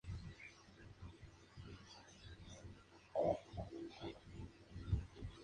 Los estudiantes que sobrevivieron ahora están en la universidad viviendo vidas normales.